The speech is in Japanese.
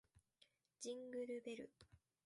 ジングルベル